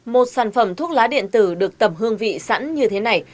một sản phẩm thuốc lá điện tử được tầm hương vị sẵn như thế này